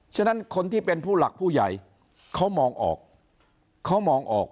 ฉะนั้นคนที่เป็นผู้หลักผู้ใหญ่เขามองออก